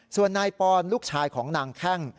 ส่วนนายปอนลูกชายของนางแข้ง